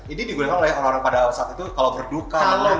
ini digunakan oleh orang orang pada saat itu kalau berduka